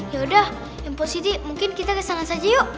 yaudah yang po siti mungkin kita kesana saja yuk